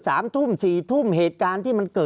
ภารกิจสรรค์ภารกิจสรรค์